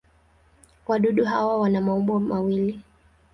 Wadudu hawa wana maumbo mawili.